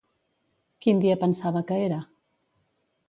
Quin dia pensava que era?